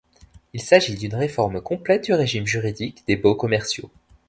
Il s’agit d’une réforme complète du régime juridique des baux commerciaux.